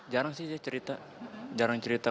jarang sih saya cerita jarang cerita